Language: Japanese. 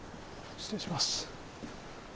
失礼します。